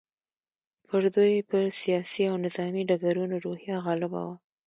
پر دوی په سیاسي او نظامي ډګرونو روحیه غالبه وه.